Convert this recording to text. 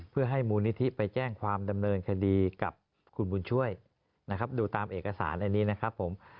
เพื่อให้มูลนิธิไปแจ้งความดำเนินคดีกับคุณบุญช่วยนะครับดูตามเอกสารอันนี้นะครับผม